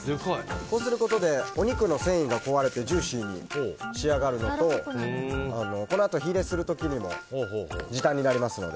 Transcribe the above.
こうすることでお肉の繊維が壊れてジューシーに仕上がるのとこのあと火入れする時にも時短になりますので。